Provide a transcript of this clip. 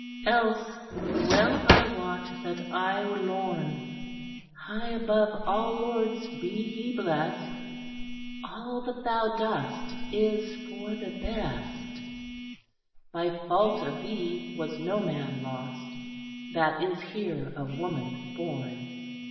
Else well I wot that I were lorn (High above all lords be he blest!) All that thou dost is for the best; By fault of Thee was no man lost, That is here of woman born.'"